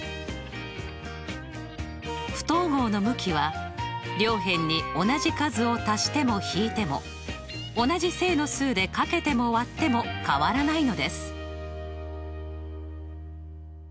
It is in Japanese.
不等号の向きは両辺に同じ数を足しても引いても同じ正の数で掛けても割っても変わらないのです。